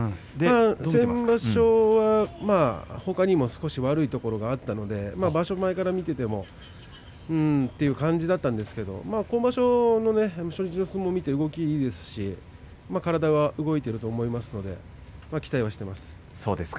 先場所はほかにも少し悪いところがあったので場所前から見ていてもうーんという感じだったんですけれど今場所初日の相撲を見て動きもいいですし体は動いていると思いますので期待はしています。